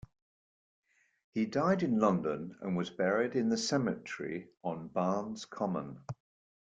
He died in London, and was buried in the cemetery on Barnes Common.